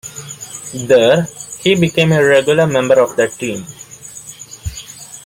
There, he became a regular member of the team.